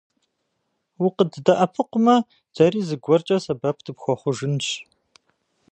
УкъыддэӀэпыкъумэ, дэри зыгуэркӀэ сэбэп дыпхуэхъужынщ.